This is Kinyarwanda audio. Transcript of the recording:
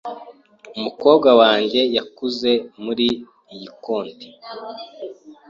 Umukobwa wanjye yakuze muriyi koti.